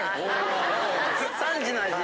３時の味。